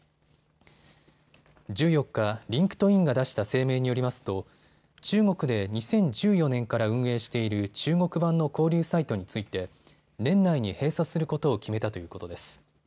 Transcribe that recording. １４日、リンクトインが出した声明によりますと中国で２０１４年から運営している中国版の交流サイトについて年内に閉鎖することを決めたということです。